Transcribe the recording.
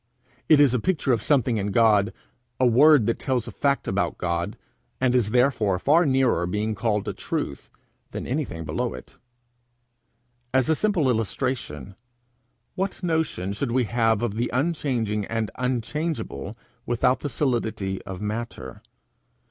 It is a picture of something in God, a word that tells a fact about God, and is therefore far nearer being called a truth than anything below it. As a simple illustration: What notion should we have of the unchanging and unchangeable, without the solidity of matter?